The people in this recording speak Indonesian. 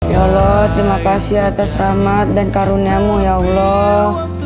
ya allah terima kasih atas rahmat dan karuniamu ya allah